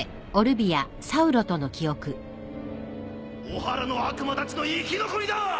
オハラの悪魔たちの生き残りだ！